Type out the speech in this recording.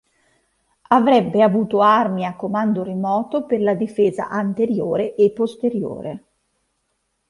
Avrebbe avuto armi a comando remoto per la difesa anteriore e posteriore.